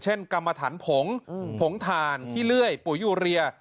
เช่นกรรมฐานผงผงทานที่เลื่อยปุ๋ยอยูเรีย